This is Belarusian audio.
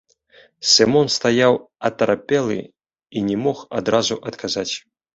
Сымон стаяў атарапелы і не мог адразу адказаць.